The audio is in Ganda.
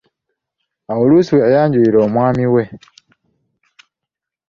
Awo luusi we yayanjulira omwami we.